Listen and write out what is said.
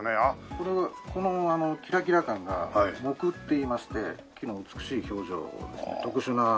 これはこのキラキラ感が杢って言いまして木の美しい表情特殊な表情です。